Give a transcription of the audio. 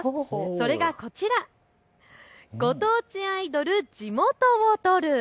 それがこちら、ご当地アイドル地元を撮る。